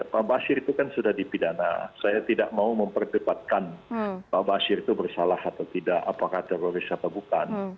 pak bashir itu kan sudah dipidana saya tidak mau memperdebatkan pak bashir itu bersalah atau tidak apakah teroris atau bukan